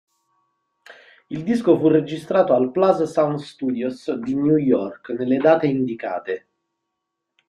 Il disco fu registrato al "Plaza Sound Studios" di New York, nelle date indicate.